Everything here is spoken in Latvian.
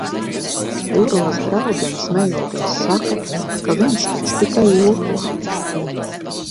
Urlas draudzene smejoties saka, ka viņš taču tikai joko.